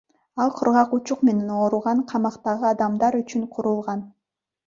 Ал кургак учук менен ооруган камактагы адамдар үчүн курулган.